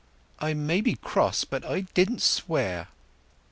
"I may be cross, but I didn't swear."